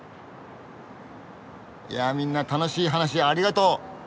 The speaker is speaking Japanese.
いやみんな楽しい話ありがとう。